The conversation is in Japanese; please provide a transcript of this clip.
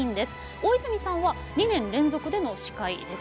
大泉さんは２年連続での司会です。